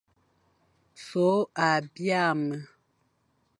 So a bîa me,